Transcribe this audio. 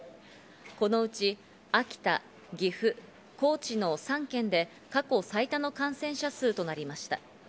このうち秋田、岐阜、高知の３県で過去最多の感染者数となりました。